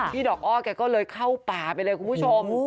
ดอกอ้อแกก็เลยเข้าป่าไปเลยคุณผู้ชม